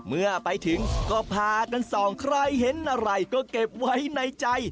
เมื่อไปถึงก็พากันส่องใครเห็นอะไรก็เก็บไว้ในใจ